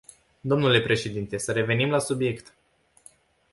Dle președinte, să revenim la subiect.